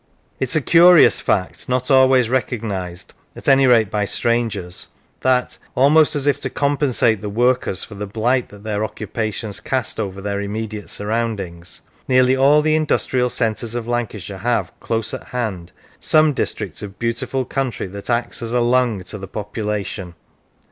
It is a curious fact, not always recognised, at any rate by strangers, that almost as if to compensate the workers for the blight that their occupations cast over their immediate surroundings nearly all the industrial centres of Lancashire have, close at hand, some district of beautiful country that acts as a lung to the popula tion.